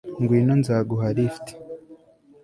Ngwino nzaguha lift